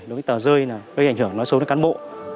đối với tờ rơi đối với ảnh hưởng nói xấu đến cán bộ